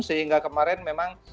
sehingga kemarin memang